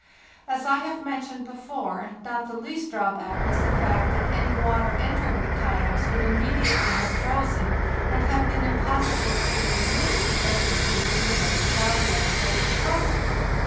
As I have mentioned before, not the least drawback was the fact that any water entering the kayaks would immediately have frozen and have been impossible to remove, thus in creasing the weight of our loads at each crossing.